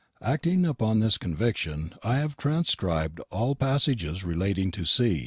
Acting upon this conviction, I have transcribed all passages relating to C.